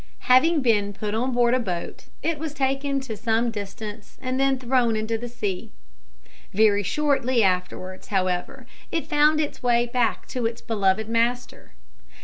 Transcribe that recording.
Having been put on board a boat, it was taken to some distance and then thrown into the sea. Very shortly afterwards, however, it found its way back to its beloved master.